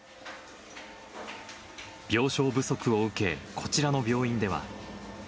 病床不足を受け、こちらの病院では。